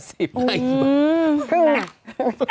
ครึ่งน่ะ